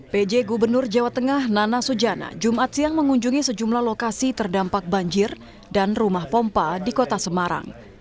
pj gubernur jawa tengah nana sujana jumat siang mengunjungi sejumlah lokasi terdampak banjir dan rumah pompa di kota semarang